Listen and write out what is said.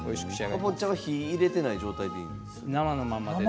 かぼちゃは火を入れて生の状態です。